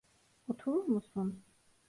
Oturur musun?